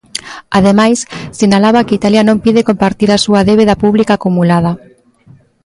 Ademais, sinalaba que Italia non pide compartir a súa débeda pública acumulada.